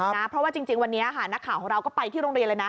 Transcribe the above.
เพราะว่าจริงวันนี้ค่ะนักข่าวของเราก็ไปที่โรงเรียนเลยนะ